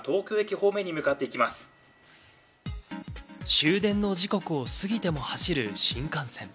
終電の時刻を過ぎても走る新幹線。